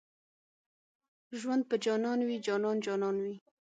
ژوند په جانان وي جانان جانان وي